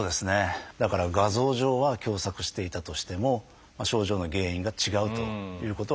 だから画像上は狭窄していたとしても症状の原因が違うということはよくあります。